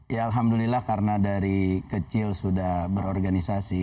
ya alhamdulillah karena dari kecil sudah berorganisasi